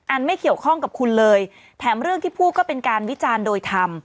ไม่เกี่ยวข้องกับคุณเลยแถมเรื่องที่พูดก็เป็นการวิจารณ์โดยธรรม